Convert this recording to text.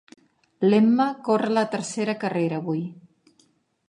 L'Emma corre la tercera carrera avui.